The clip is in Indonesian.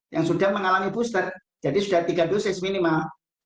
yang sudah mengalami booster jadi sudah tiga dosis minimal